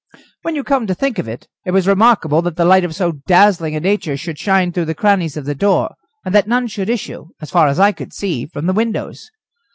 When you come to think of it, it was remarkable that the light of so dazzling a nature should shine through the crannies of the door, and that none should issue, as far as I could see, from the windows.